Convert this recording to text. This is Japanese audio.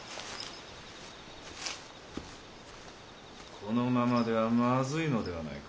・このままではまずいのではないか？